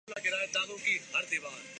غور کرنے کا مقام ہے۔